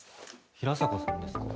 平坂さんですか？